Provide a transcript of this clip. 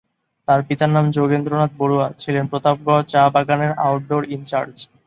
তার পিতার নাম যোগেন্দ্রনাথ বড়ুয়া, ছিলেন প্রতাপগড় চা বাগানের আউটডোর ইনচার্জ।